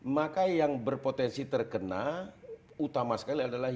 maka yang berpotensi terkena utama sekali adalah